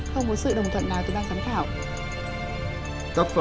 không có sự đồng thuận nào tôi đang khám khảo